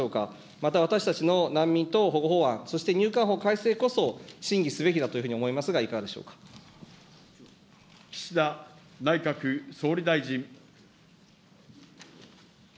また私たちの難民等保護法案、そして入管法改正こそ審議すべきだというふうに思いますが、いか岸田内閣総理大臣。